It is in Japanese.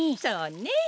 そうね。